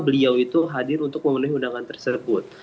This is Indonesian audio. beliau itu hadir untuk memenuhi undangan tersebut